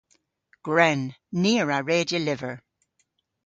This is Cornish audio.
Gwren. Ni a wra redya lyver.